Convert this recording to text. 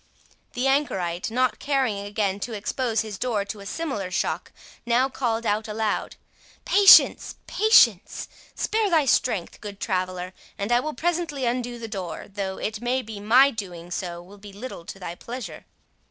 The anchorite, not caring again to expose his door to a similar shock, now called out aloud, "Patience, patience—spare thy strength, good traveller, and I will presently undo the door, though, it may be, my doing so will be little to thy pleasure."